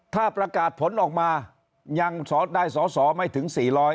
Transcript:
ถ้าประกาศผลออกมายังได้สอสอไม่ถึง๔๐๐